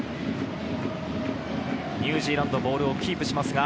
ニュージーランド、ボールをキープします。